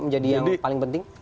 jadi yang paling penting